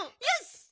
よし！